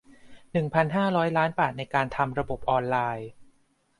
หนึ่งพันห้าร้อย ล้านบาทในการทำระบบออนไลน์